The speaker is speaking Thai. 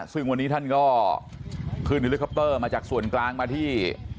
ซึ่งวันนี้ท่านก็ขึ้นเฮลิคอปเตอร์มาจากส่วนกลางมาที่